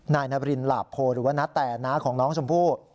นายนบิลลาโพหรือว่าณแตณของน้องชมพู่